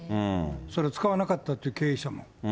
それ、使わなかったって経営者も。